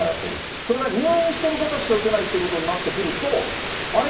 それが入院している方しか打てないということになってくると、あれ？